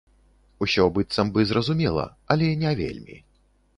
Усё быццам бы зразумела, але не вельмі.